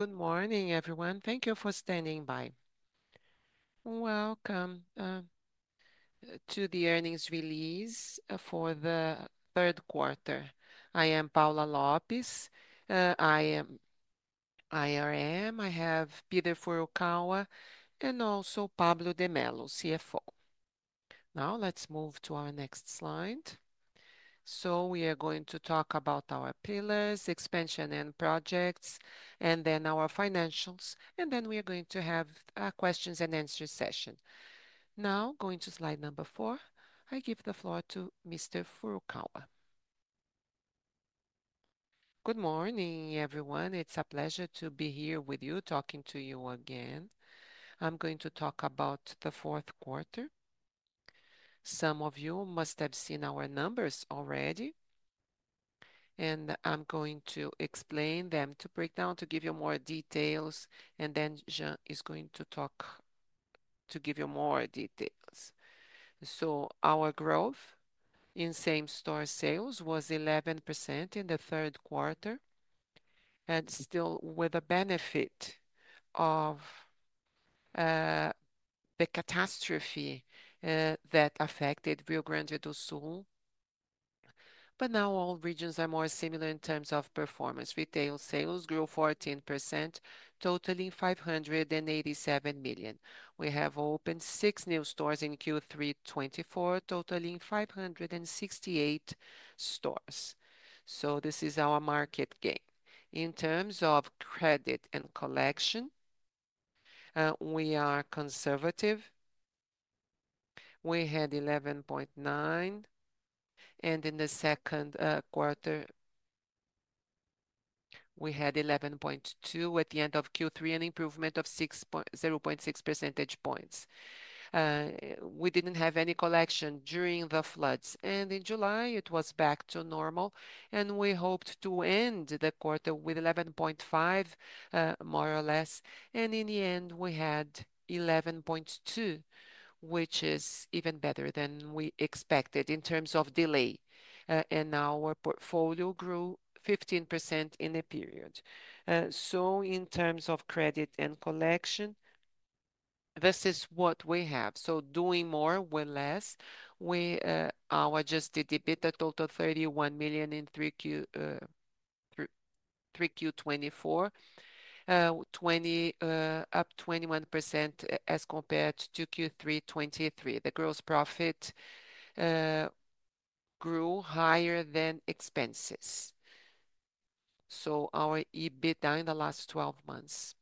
Good morning, everyone. Thank you for standing by. Welcome to the earnings release for the third quarter. I am Paula Lopes. I am IRM. I have Peter Furukawa and also Jean Pablo de Mello, CFO. Now let's move to our next slide, so we are going to talk about our pillars, expansion and projects, and then our financials, and then we are going to have a questions and answers session. Now, going to slide number four. I give the floor to Mr. Furukawa. Good morning, everyone. It's a pleasure to be here with you, talking to you again. I'm going to talk about the fourth quarter. Some of you must have seen our numbers already, and I'm going to explain them to break down, to give you more details, and then Jean is going to talk to give you more details. Our growth in same-store sales was 11% in the third quarter, and still with a benefit of the catastrophe that affected Rio Grande do Sul. But now all regions are more similar in terms of performance. Retail sales grew 14%, totaling 587 million. We have opened six new stores in Q3 2024, totaling 568 stores. So this is our market gain. In terms of credit and collection, we are conservative. We had 11.9, and in the second quarter, we had 11.2 at the end of Q3, an improvement of 0.6 percentage points. We didn't have any collection during the floods. And in July, it was back to normal. And we hoped to end the quarter with 11.5, more or less. And in the end, we had 11.2, which is even better than we expected in terms of delay. And our portfolio grew 15% in a period. In terms of credit and collection, this is what we have. Doing more with less, our adjusted EBITDA totaled 31 million in Q3 2024, up 21% as compared to Q3 2023. The gross profit grew higher than expenses. Our EBITDA in the last 12 months.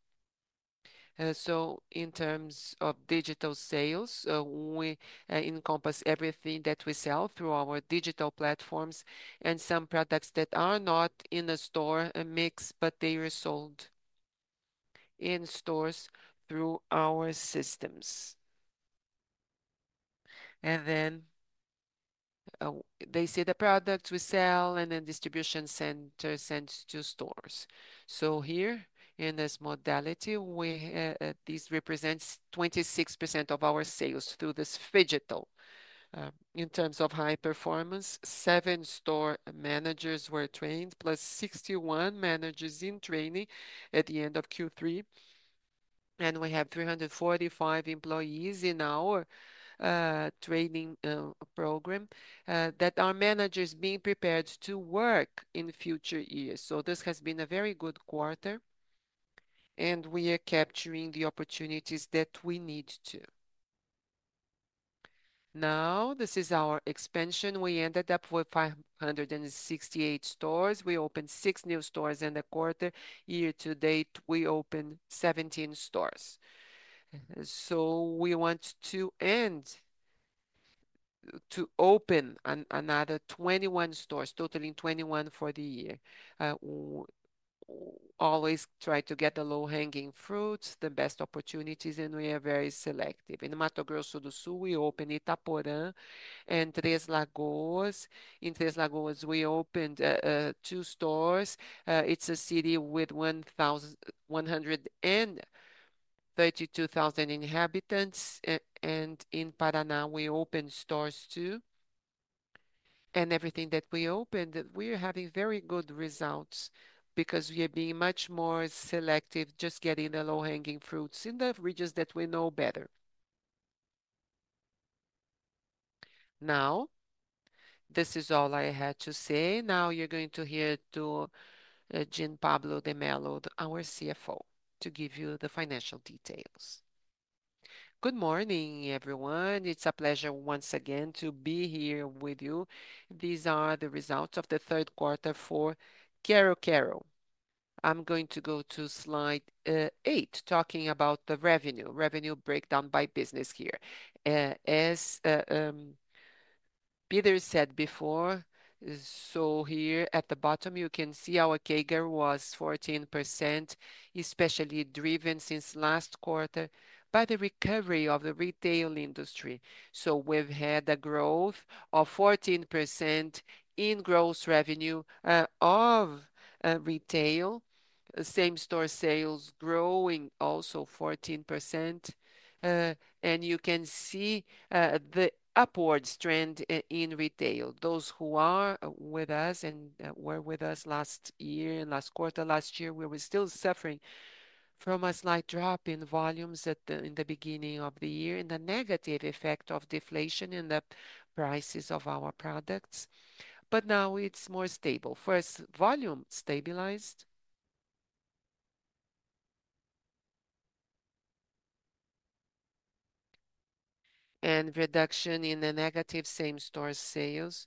In terms of digital sales, we encompass everything that we sell through our digital platforms and some products that are not in a store mix, but they are sold in stores through our systems. And then they see the products we sell and then distribution centers send to stores. Here in this modality, this represents 26% of our sales through this phygital. In terms of high performance, seven store managers were trained, plus 61 managers in training at the end of Q3. We have 345 employees in our training program that are managers being prepared to work in future years. This has been a very good quarter. We are capturing the opportunities that we need to. Now, this is our expansion. We ended up with 568 stores. We opened six new stores in the quarter. Year to date, we opened 17 stores. We intend to open another four stores, totaling 21 for the year. Always try to get the low-hanging fruits, the best opportunities, and we are very selective. In Mato Grosso do Sul, we opened Itaporã and Três Lagoas. In Três Lagoas, we opened two stores. It's a city with 113,000 inhabitants. In Paraná, we opened stores too. Everything that we opened, we are having very good results because we are being much more selective, just getting the low-hanging fruits in the regions that we know better. Now, this is all I had to say. Now you're going to hear Jean Pablo de Mello, our CFO, to give you the financial details. Good morning, everyone. It's a pleasure once again to be here with you. These are the results of the third quarter for Quero-Quero. I'm going to go to slide eight, talking about the revenue, revenue breakdown by business here. As Peter said before, so here at the bottom, you can see our CAGR was 14%, especially driven since last quarter by the recovery of the retail industry, so we've had a growth of 14% in gross revenue of retail, same-store sales growing also 14%, and you can see the upward trend in retail. Those who are with us and were with us last year and last quarter last year, we were still suffering from a slight drop in volumes in the beginning of the year and the negative effect of deflation in the prices of our products, but now it's more stable. First, volume stabilized and reduction in the negative same-store sales,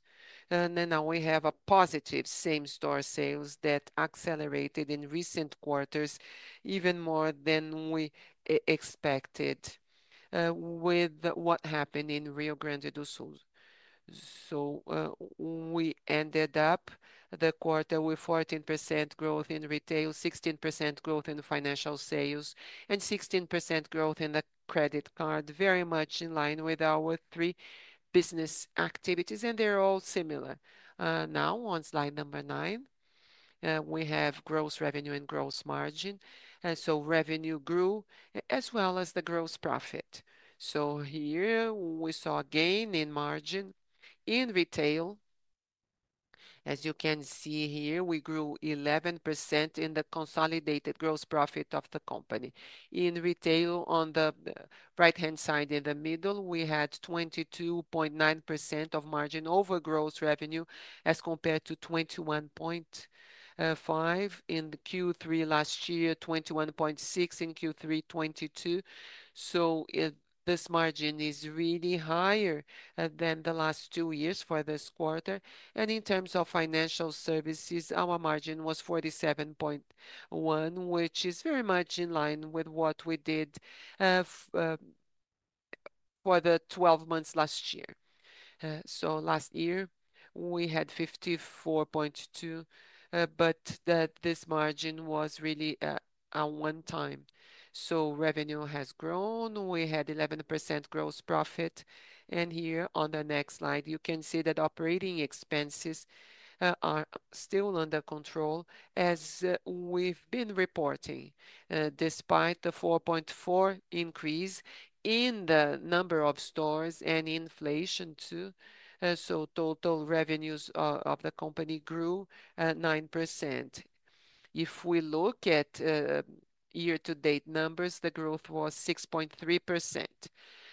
and then now we have a positive same-store sales that accelerated in recent quarters even more than we expected with what happened in Rio Grande do Sul, so we ended up the quarter with 14% growth in retail, 16% growth in financial sales, and 16% growth in the credit card, very much in line with our three business activities, and they're all similar. Now, on slide number nine, we have gross revenue and gross margin, and so revenue grew as well as the gross profit. So here we saw gain in margin in retail. As you can see here, we grew 11% in the consolidated gross profit of the company. In retail, on the right-hand side in the middle, we had 22.9% of margin over gross revenue as compared to 21.5% in Q3 last year, 21.6% in Q3 2022. So this margin is really higher than the last two years for this quarter. And in terms of financial services, our margin was 47.1%, which is very much in line with what we did for the 12 months last year. So last year, we had 54.2%, but this margin was really a one-time. So revenue has grown. We had 11% gross profit. And here on the next slide, you can see that operating expenses are still under control as we've been reporting, despite the 4.4% increase in the number of stores and inflation too. So total revenues of the company grew 9%. If we look at year-to-date numbers, the growth was 6.3%.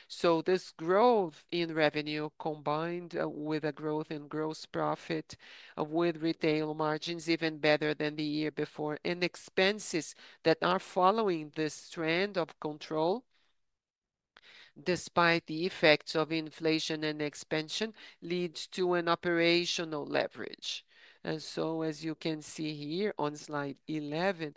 So this growth in revenue combined with a growth in gross profit with retail margins even better than the year before. And expenses that are following this trend of control, despite the effects of inflation and expansion, lead to an operational leverage. And so, as you can see here on slide 11,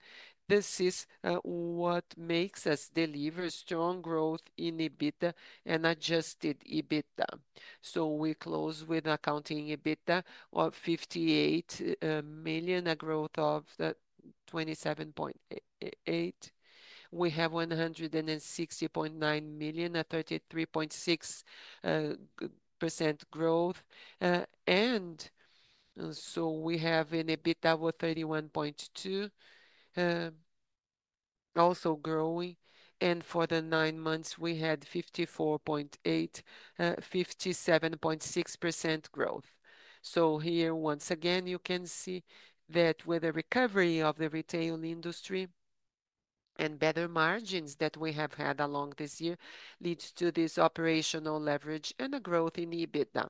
this is what makes us deliver strong growth in EBITDA and adjusted EBITDA. So we close with accounting EBITDA of 58 million, a growth of 27.8%. We have 160.9 million, a 33.6% growth. And so we have an EBITDA of 31.2%, also growing. And for the nine months, we had 54.8%, 57.6% growth. So here, once again, you can see that with the recovery of the retail industry and better margins that we have had along this year leads to this operational leverage and a growth in EBITDA.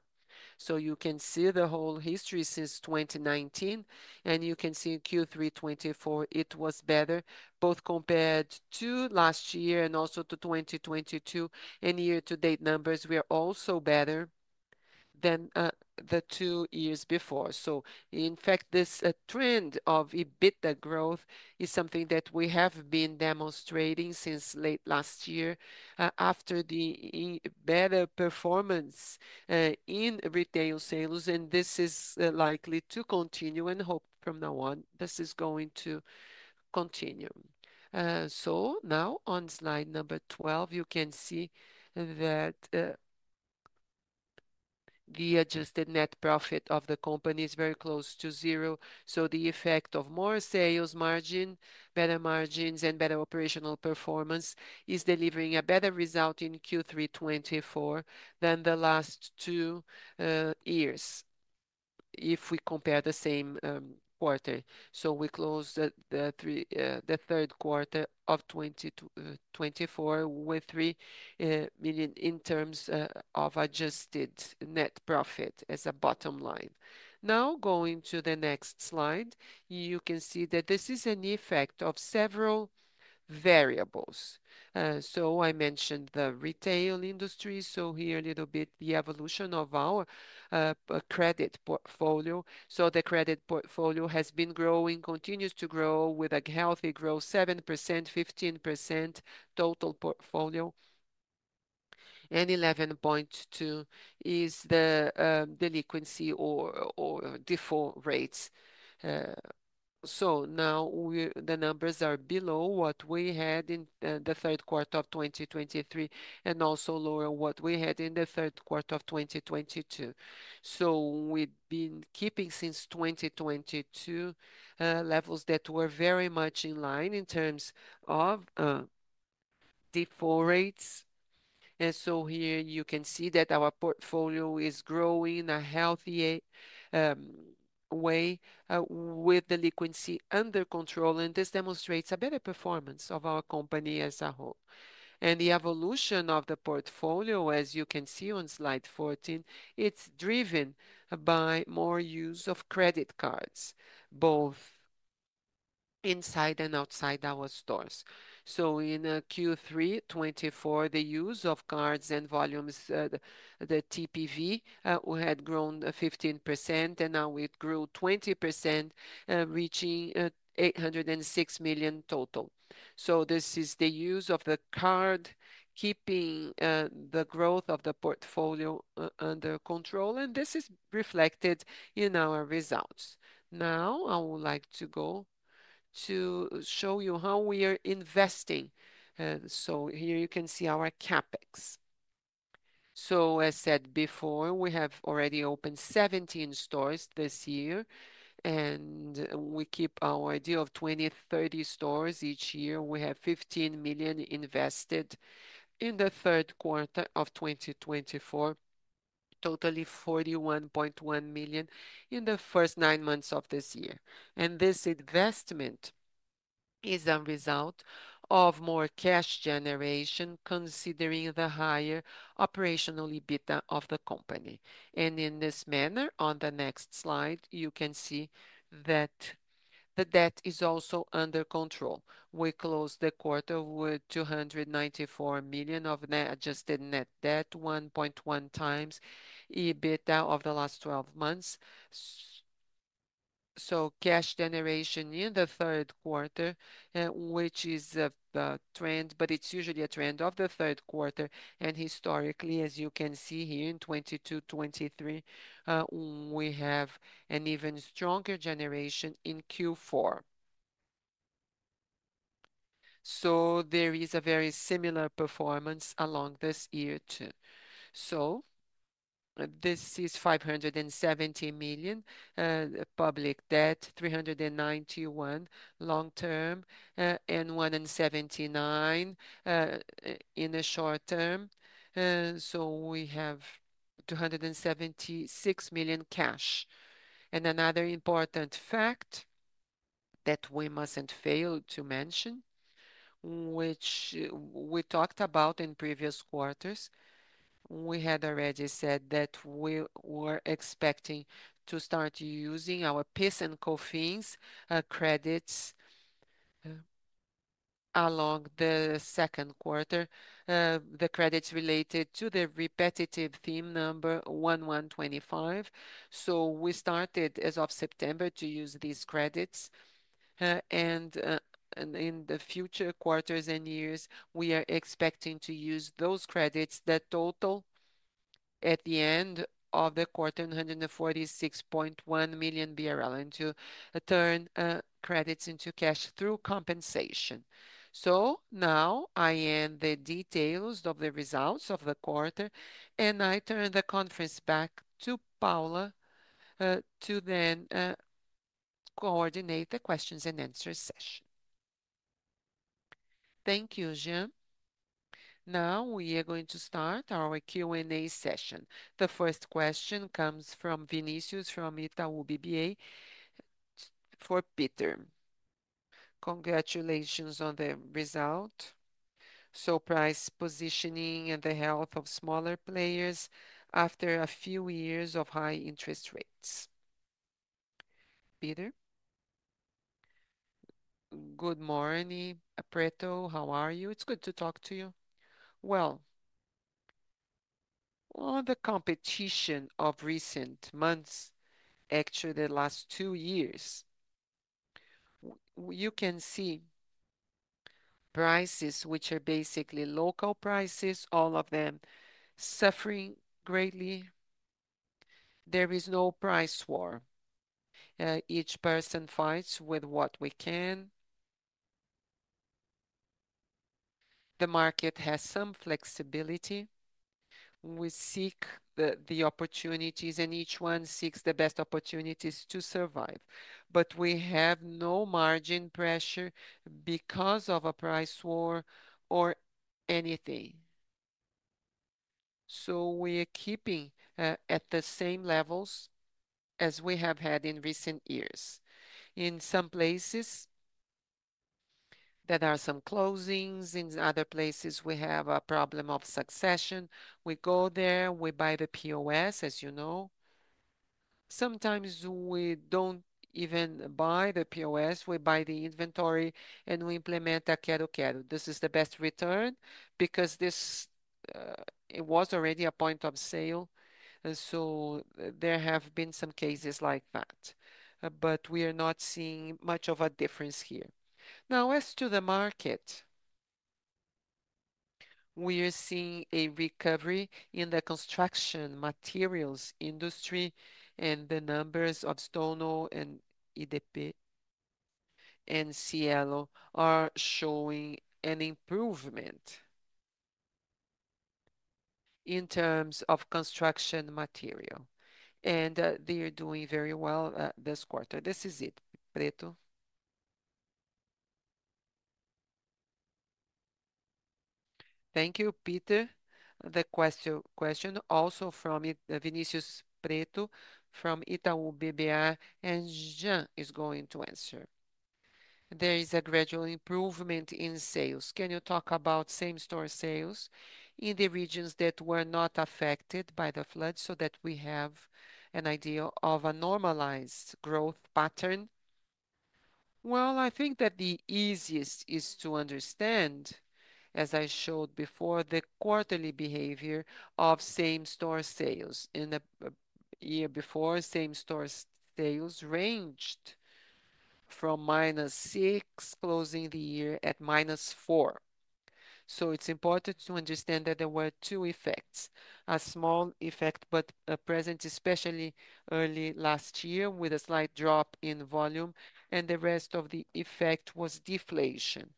So you can see the whole history since 2019. And you can see in Q3 2024, it was better, both compared to last year and also to 2022. And year-to-date numbers were also better than the two years before. So, in fact, this trend of EBITDA growth is something that we have been demonstrating since late last year after the better performance in retail sales. And this is likely to continue and hope from now on this is going to continue. So now, on slide number 12, you can see that the adjusted net profit of the company is very close to zero. So the effect of more sales margin, better margins, and better operational performance is delivering a better result in Q3 2024 than the last two years if we compare the same quarter. So we close the third quarter of 2024 with 3 million in terms of adjusted net profit as a bottom line. Now, going to the next slide, you can see that this is an effect of several variables. So I mentioned the retail industry. So here, a little bit, the evolution of our credit portfolio. So the credit portfolio has been growing, continues to grow with a healthy growth, 7%, 15% total portfolio. And 11.2% is the delinquency or default rates. So now the numbers are below what we had in the third quarter of 2023 and also lower what we had in the third quarter of 2022. We've been keeping since 2022 levels that were very much in line in terms of default rates. And so here you can see that our portfolio is growing in a healthy way with the liquidity under control. And this demonstrates a better performance of our company as a whole. And the evolution of the portfolio, as you can see on slide 14, it's driven by more use of credit cards, both inside and outside our stores. So in Q3 2024, the use of cards and volumes, the TPV, we had grown 15%, and now it grew 20%, reaching 806 million total. So this is the use of the card keeping the growth of the portfolio under control. And this is reflected in our results. Now, I would like to go to show you how we are investing. So here you can see our CapEx. So, as said before, we have already opened 17 stores this year. And we keep our idea of 20, 30 stores each year. We have 15 million invested in the third quarter of 2024, totally 41.1 million in the first nine months of this year. And this investment is a result of more cash generation considering the higher operational EBITDA of the company. And in this manner, on the next slide, you can see that the debt is also under control. We closed the quarter with 294 million of net adjusted net debt, 1.1x EBITDA of the last 12 months. So cash generation in the third quarter, which is a trend, but it's usually a trend of the third quarter. And historically, as you can see here in 2022, 2023, we have an even stronger generation in Q4. So there is a very similar performance along this year too. So this is 570 million public debt, 391 million long-term, and 179 million in the short term. So we have 276 million cash. And another important fact that we mustn't fail to mention, which we talked about in previous quarters, we had already said that we were expecting to start using our PIS and COFINS credits along the second quarter, the credits related to the repetitive theme number 1125. So we started as of September to use these credits. And in the future quarters and years, we are expecting to use those credits that total at the end of the quarter, 146.1 million BRL, and to turn credits into cash through compensation. So now I end the details of the results of the quarter, and I turn the conference back to Paula to then coordinate the questions and answers session. Thank you, Jean. Now we are going to start our Q&A session. The first question comes from Vinicius from Itaú BBA for Peter. Congratulations on the result. So price positioning and the health of smaller players after a few years of high interest rates. Peter. Good morning, Pretto. How are you? It's good to talk to you. Well, the competition of recent months, actually the last two years. You can see prices, which are basically low prices, all of them suffering greatly. There is no price war. Each person fights with what we can. The market has some flexibility. We seek the opportunities, and each one seeks the best opportunities to survive. But we have no margin pressure because of a price war or anything. So we are keeping at the same levels as we have had in recent years. In some places, there are some closings. In other places, we have a problem of succession. We go there, we buy the POS, as you know. Sometimes we don't even buy the POS. We buy the inventory, and we implement a cash and carry. This is the best return because this was already a point of sale, and so there have been some cases like that, but we are not seeing much of a difference here. Now, as to the market, we are seeing a recovery in the construction materials industry, and the numbers of Stone and Rede and Cielo are showing an improvement in terms of construction materials, and they are doing very well this quarter. This is it, Pretto. Thank you, Peter. The question also from Vinicius Pretto from Itaú BBA, and Jean is going to answer. There is a gradual improvement in sales. Can you talk about same-store sales in the regions that were not affected by the flood so that we have an idea of a normalized growth pattern? Well, I think that the easiest is to understand, as I showed before, the quarterly behavior of same-store sales. In the year before, same-store sales ranged from -6%, closing the year at -4%. It's important to understand that there were two effects. A small effect, but present especially early last year with a slight drop in volume, and the rest of the effect was deflation.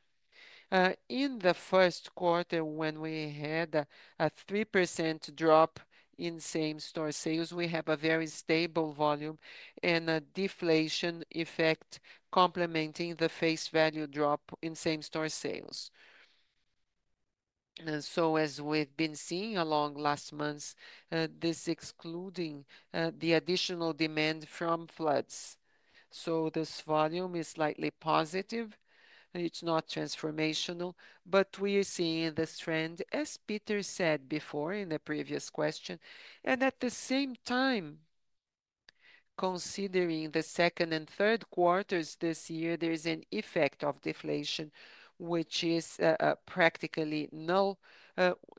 In the first quarter, when we had a 3% drop in same-store sales, we have a very stable volume and a deflation effect complementing the face value drop in same-store sales. And so, as we've been seeing along last months, this, excluding the additional demand from floods. This volume is slightly positive. It's not transformational, but we are seeing this trend, as Peter said before in the previous question, and at the same time, considering the second and third quarters this year, there's an effect of deflation, which is practically null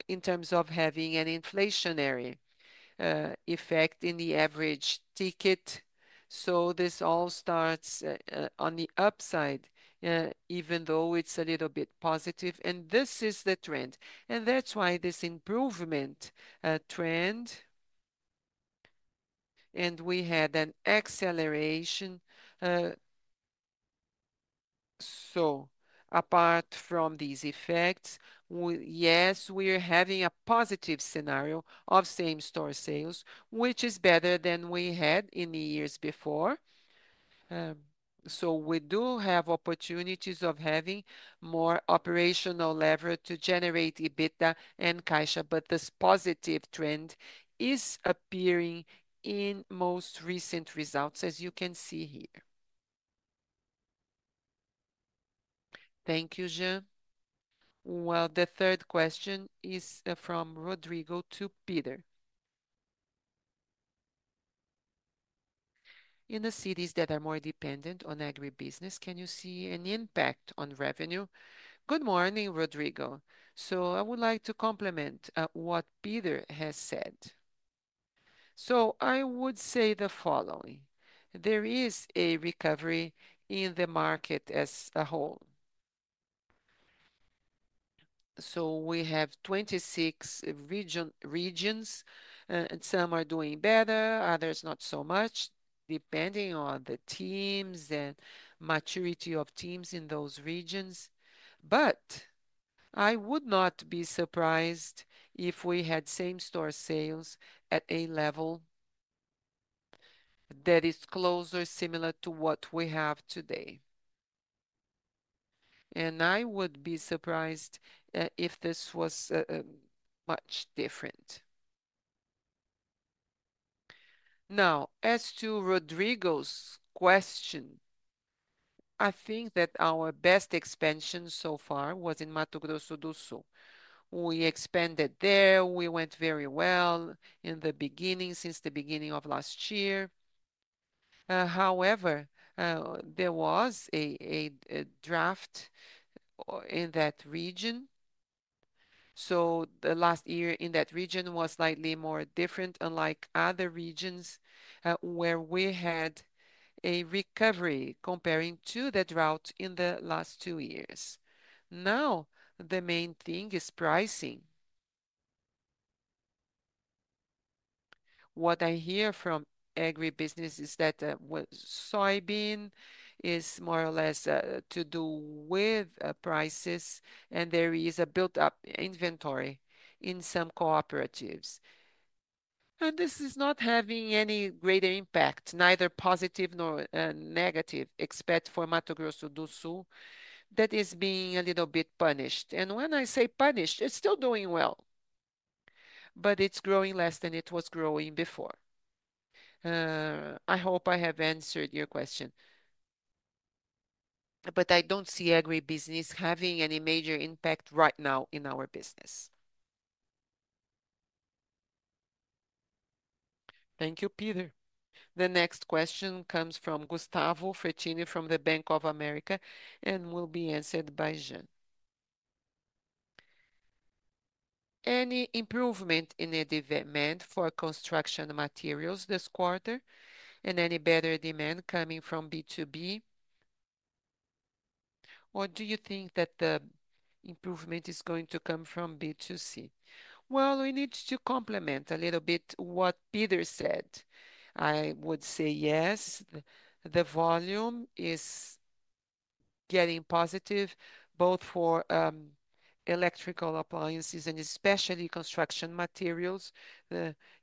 in terms of having an inflationary effect in the average ticket, so this all starts on the upside, even though it's a little bit positive, and this is the trend, and that's why this improvement trend, and we had an acceleration, so apart from these effects, yes, we are having a positive scenario of same-store sales, which is better than we had in the years before, so we do have opportunities of having more operational lever to generate EBITDA and cash, but this positive trend is appearing in most recent results, as you can see here. Thank you, Jean, well, the third question is from Rodrigo to Peter. In the cities that are more dependent on agribusiness, can you see an impact on revenue? Good morning, Rodrigo. So I would like to complement what Peter has said. So I would say the following. There is a recovery in the market as a whole. So we have 26 regions, and some are doing better, others not so much, depending on the teams and maturity of teams in those regions. But I would not be surprised if we had same-store sales at a level that is closer similar to what we have today. And I would be surprised if this was much different. Now, as to Rodrigo's question, I think that our best expansion so far was in Mato Grosso do Sul. We expanded there. We went very well in the beginning, since the beginning of last year. However, there was a drought in that region. So the last year in that region was slightly more different, unlike other regions where we had a recovery comparing to the drought in the last two years. Now, the main thing is pricing. What I hear from agribusiness is that soybean is more or less to do with prices, and there is a built-up inventory in some cooperatives. And this is not having any greater impact, neither positive nor negative, except for Mato Grosso do Sul that is being a little bit punished. And when I say punished, it's still doing well, but it's growing less than it was growing before. I hope I have answered your question, but I don't see agribusiness having any major impact right now in our business. Thank you, Peter. The next question comes from Gustavo Fratini from Bank of America and will be answered by Jean. Any improvement in the demand for construction materials this quarter, and any better demand coming from B2B? Or do you think that the improvement is going to come from B2C? We need to complement a little bit what Peter said. I would say yes, the volume is getting positive both for electrical appliances and especially construction materials.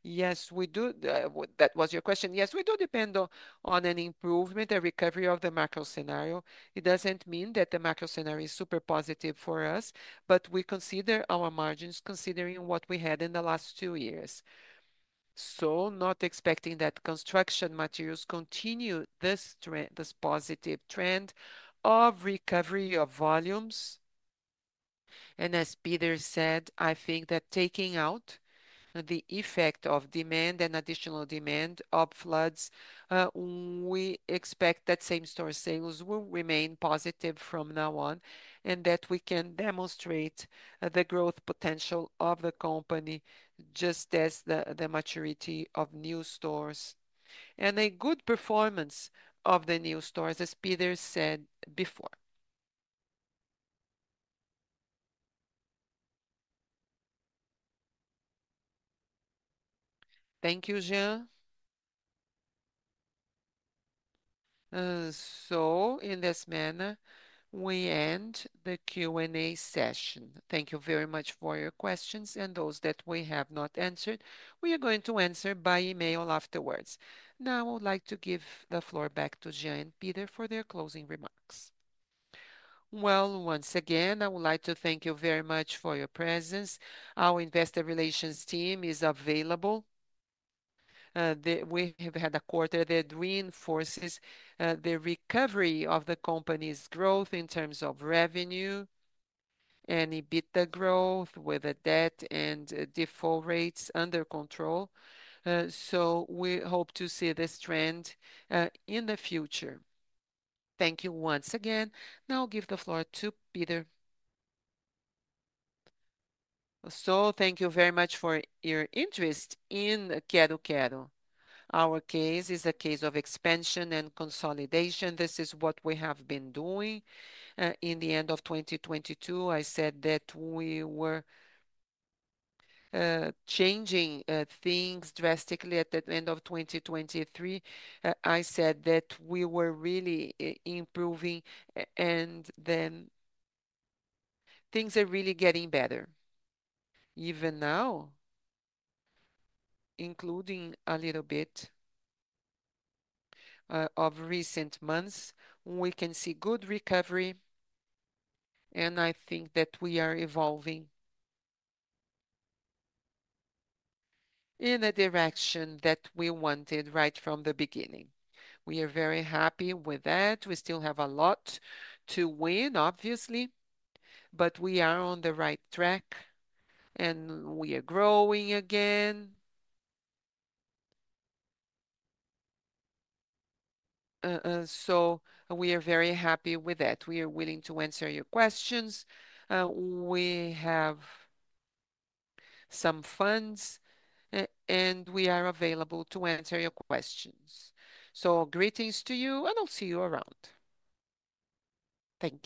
Yes, we do. That was your question. Yes, we do depend on an improvement, a recovery of the macro scenario. It doesn't mean that the macro scenario is super positive for us, but we consider our margins considering what we had in the last two years. Not expecting that construction materials continue this trend, this positive trend of recovery of volumes. As Peter said, I think that taking out the effect of demand and additional demand of floods, we expect that same-store sales will remain positive from now on and that we can demonstrate the growth potential of the company just as the maturity of new stores and a good performance of the new stores, as Peter said before. Thank you, Jean. In this manner, we end the Q&A session. Thank you very much for your questions and those that we have not answered. We are going to answer by email afterwards. Now I would like to give the floor back to Jean and Peter for their closing remarks. Once again, I would like to thank you very much for your presence. Our investor relations team is available. We have had a quarter that reinforces the recovery of the company's growth in terms of revenue, EBITDA growth with debt and default rates under control, so we hope to see this trend in the future. Thank you once again. Now I'll give the floor to Peter, so thank you very much for your interest in Quero-Quero. Our case is a case of expansion and consolidation. This is what we have been doing. At the end of 2022, I said that we were changing things drastically. At the end of 2023, I said that we were really improving and then things are really getting better. Even now, including a little bit of recent months, we can see good recovery, and I think that we are evolving in the direction that we wanted right from the beginning. We are very happy with that. We still have a lot to win, obviously, but we are on the right track and we are growing again. So we are very happy with that. We are willing to answer your questions. We have some time and we are available to answer your questions. So greetings to you and I'll see you around. Thank you.